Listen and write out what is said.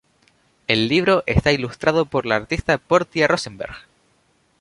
El libro está ilustrado por la artista Portia Rosenberg.